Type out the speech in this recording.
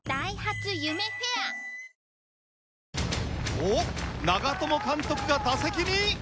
おっ長友監督が打席に。